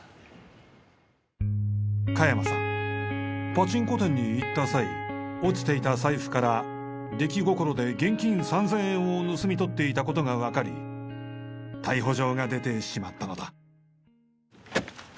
パチンコ店に行った際落ちていた財布から出来心で現金３０００円を盗み取っていたことがわかり逮捕状が出てしまったのだ。